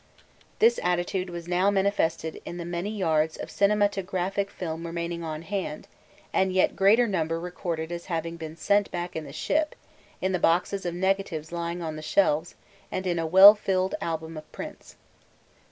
This attitude was now manifested in the many yards of cinematograph film remaining on hand and yet greater number recorded as having been sent back in the ship, in the boxes of negatives lying on the shelves and a well filled album of prints.